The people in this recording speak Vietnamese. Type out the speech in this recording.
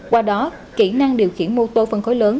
qua đó kỹ năng điều khiển mô tô phân khối lớn